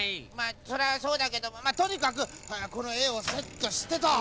それはそうだけどもまあとにかくこのえをセットしてと。